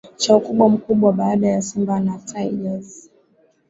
cha ukubwa mkubwa baada ya simba na tigers